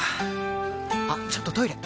あっちょっとトイレ！